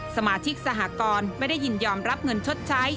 สมาชิกสหกรณ์ไม่ได้ยินยอมรับเงินชดใช้